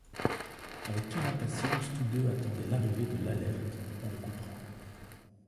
Avec quelle impatience tous deux attendaient l’arrivée de l’Alert, on le comprend.